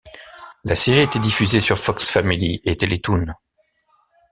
La sérié était diffusée sur Fox Family et Télétoon.